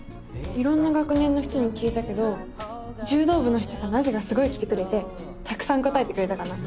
いろんな学年の人に聞いたけどじゅうどう部の人がなぜかすごい来てくれてたくさん答えてくれたかな。